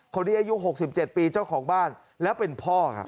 คนดี้อายุ๖๗ปีเจ้าของบ้านแล้วเป็นพ่อ